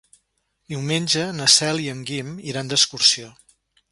Diumenge na Cel i en Guim iran d'excursió.